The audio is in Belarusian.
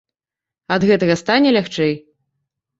Ад гэтага стане лягчэй?